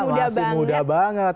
masih muda banget